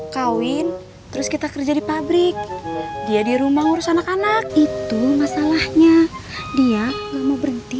kawin terus kita kerja di pabrik dia di rumah ngurus anak anak itu masalahnya dia nggak mau berhenti